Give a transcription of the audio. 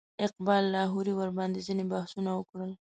اقبال لاهوري ورباندې ځینې بحثونه وکړل.